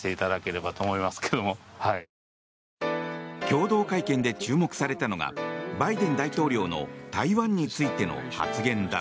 共同会見で注目されたのがバイデン大統領の台湾についての発言だ。